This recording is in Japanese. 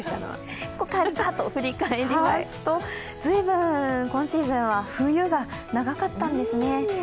振り返りますと、随分今シーズンは冬が長かったんですね。